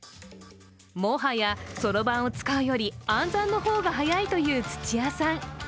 もはや、そろばんを使うより暗算の方が速いという土屋さん。